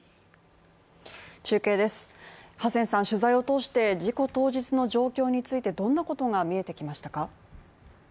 中継です、ハセンさん、取材を通して、事故当日の状況についてどんなことが見えてきましたか。